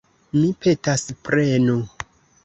Mi petas, prenu!